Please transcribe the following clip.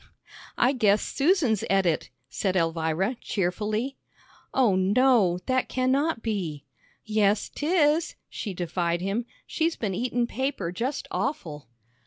"I guess Susan's et it," said Elvira, cheerfully. "Oh, no, that cannot be." "Yes, 'tis," she defied him, "she's been eatin' paper just awful."